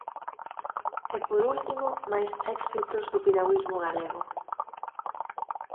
E por último, máis éxitos do piragüismo galego.